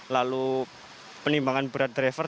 lalu penimbangan berat driver